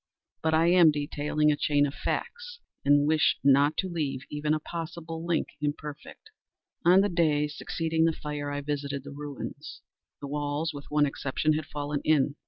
But I am detailing a chain of facts—and wish not to leave even a possible link imperfect. On the day succeeding the fire, I visited the ruins. The walls, with one exception, had fallen in.